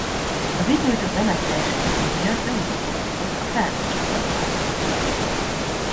Az itt nyújtott remek teljesítménye miatt bemutatkozhatott a felnőtt csapatban.